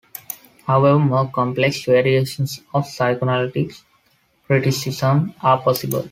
However, more complex variations of psychoanalytic criticism are possible.